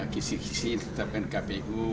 kisih kisih tetapkan kpu